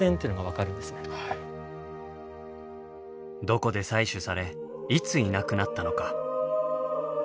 どこで採取されいついなくなったのか。